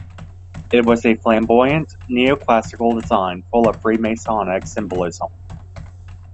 It was a flamboyant Neoclassical design full of Freemasonic symbolism.